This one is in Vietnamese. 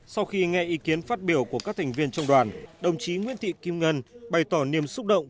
sau khi nghe ý kiến phát biểu của các thành viên trong đoàn đồng chí nguyễn thị kim ngân bày tỏ niềm xúc động